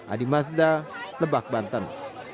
adi mazda lebak banten